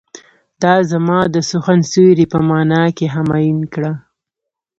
دا زما د سخن سيوری په معنی کې همایون کړه.